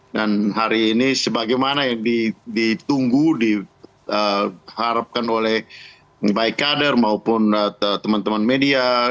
dan hari ini sebagaimana yang ditunggu diharapkan oleh baik kader maupun teman teman media